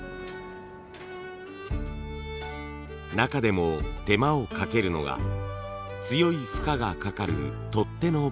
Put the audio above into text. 中でも手間をかけるのが強い負荷がかかる取っ手の部分。